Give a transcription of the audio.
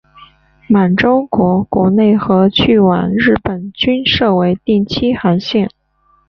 满洲国国内和去往日本均设为定期航线。